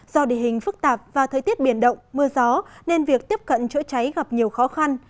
do địa hình phức tạp và thời tiết biển động mưa gió nên việc tiếp cận chữa cháy gặp nhiều khó khăn